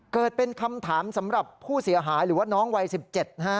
เกิดเป็นคำถามสำหรับผู้เสียหายหรือว่าน้องวัย๑๗นะฮะ